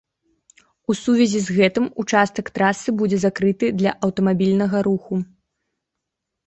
У сувязі з гэтым участак трасы будзе закрыты для аўтамабільнага руху.